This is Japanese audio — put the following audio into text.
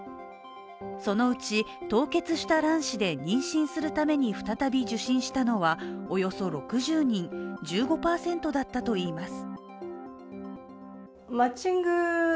そのうち凍結した卵子で妊娠するために再び受診したのはおよそ６０人、１５％だったといいます。